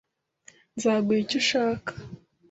Nzaguha icyo ushaka.